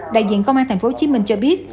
đại diện công an tp hcm cho biết